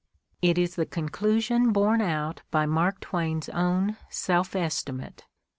'\ It is the conclusion borne out by Mark Twain's own self estimate.